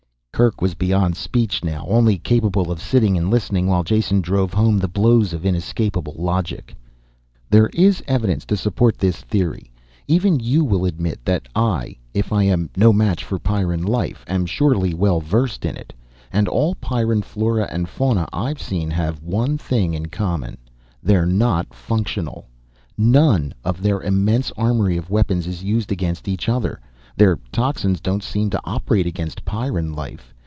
Kerk was beyond speech now, only capable of sitting and listening while Jason drove home the blows of inescapable logic. "There is evidence to support this theory. Even you will admit that I, if I am no match for Pyrran life, am surely well versed in it. And all Pyrran flora and fauna I've seen have one thing in common. They're not functional. None of their immense armory of weapons is used against each other. Their toxins don't seem to operate against Pyrran life.